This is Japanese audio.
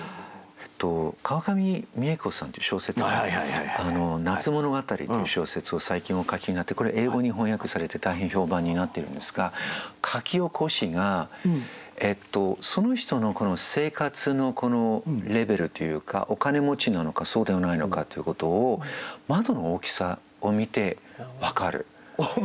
川上未映子さんっていう小説家「夏物語」という小説を最近お書きになってこれ英語に翻訳されて大変評判になってるんですが書き起こしがその人の生活のレベルというかお金持ちなのかそうではないのかっていうことを窓の大きさを見て分かる。